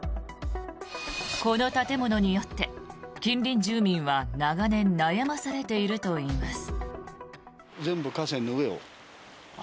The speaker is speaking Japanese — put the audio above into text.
この建物によって近隣住民は長年、悩まされているといいます。